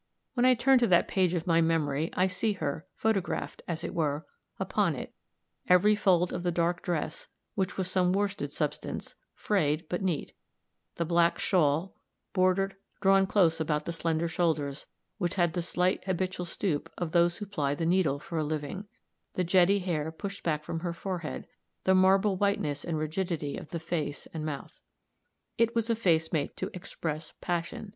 When I turn to that page of my memory, I see her, photographed, as it were, upon it every fold of the dark dress, which was some worsted substance, frayed, but neat; the black shawl, bordered, drawn close about the slender shoulders, which had the slight, habitual stoop of those who ply the needle for a living; the jetty hair pushed back from her forehead, the marble whiteness and rigidity of the face and mouth. It was a face made to express passion.